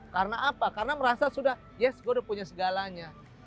karena apa karena merasa sudah yes gue udah punya segalanya